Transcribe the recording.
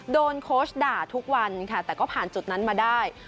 โค้ชด่าทุกวันค่ะแต่ก็ผ่านจุดนั้นมาได้